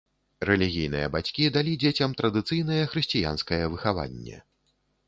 Рэлігійныя бацькі далі дзецям традыцыйнае хрысціянскае выхаванне.